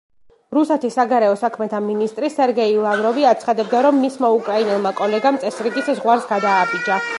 რუსეთის საგარეო საქმეთა მინისტრი სერგეი ლავროვი აცხადებდა, რომ მისმა უკრაინელმა კოლეგამ წესრიგის ზღვარს გადააბიჯა.